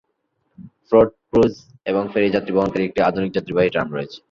Port cruise এবং ferry যাত্রী বহনকারী একটি আধুনিক যাত্রীবাহী টার্ম রয়েছে।